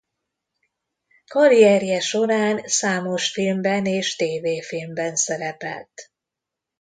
Karrierje során számos filmben és tévéfilmben szerepelt.